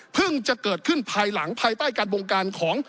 จะเกิดขึ้นภายหลังภายใต้การบงการของ